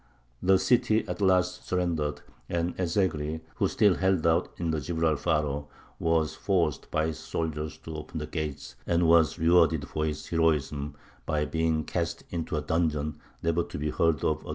The city at last surrendered, and Ez Zegry, who still held out in the Gibralfaro, was forced by his soldiers to open the gates, and was rewarded for his heroism by being cast into a dungeon, never to be heard of again.